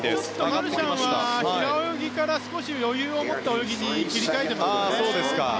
マルシャンは平泳ぎから少し余裕を持った泳ぎに切り替えていますね。